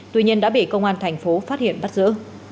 tuy nhiên đã bị công an tp phát hiện bắt giữ